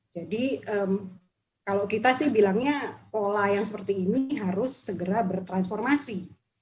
jadi kalau kita sih bilangnya pola yang seperti ini harus segera bertransformasi